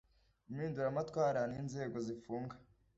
impinduramatwara ninzego zifunga